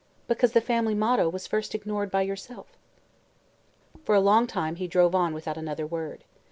"Because the family motto was first ignored by yourself." For a long time he drove on without another word.